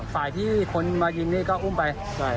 ฝ่ายที่คนมายิงนี่ก็อุ้มไป